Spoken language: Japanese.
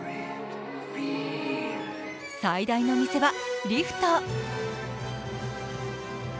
最大の見せ場、リフト。